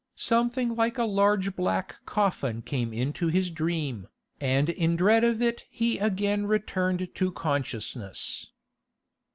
Something like a large black coffin came into his dream, and in dread of it he again returned to consciousness.